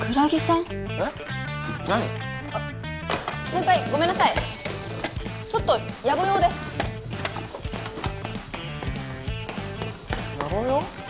先輩ごめんなさいちょっとやぼ用でやぼ用？